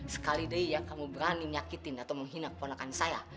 sekali deh ya kamu berani menyakitin atau menghina keponakan saya